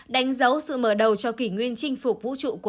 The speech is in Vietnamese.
đánh dấu sự mở đầu cho kỷ nguyên chinh phục vũ trụ của